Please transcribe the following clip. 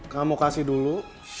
kamu kasih dulu